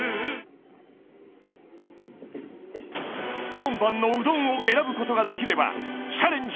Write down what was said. ４番のうどんを選ぶことができればチャレンジ